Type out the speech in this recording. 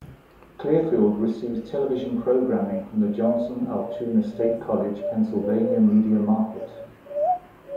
Clearfield receives television programming from the Johnstown-Altoona-State College, Pennsylvania media market.